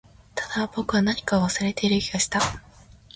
ただ、僕は何かを忘れている気がした